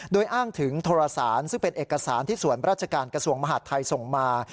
โดยอ้างถึงโทรสารซึ่งเป็นเอกสารที่ส่วนราชการกระทรวงมหาดไทยส่งมา